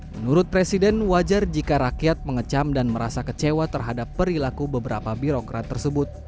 menurut presiden wajar jika rakyat mengecam dan merasa kecewa terhadap perilaku beberapa birokrat tersebut